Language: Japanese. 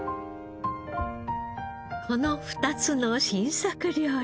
この２つの新作料理。